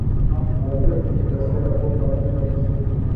jamhuri ya kidemokrasia ya Kongo na Afrika kusini